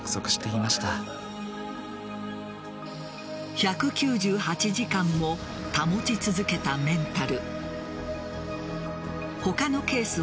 １９８時間も保ち続けたメンタル。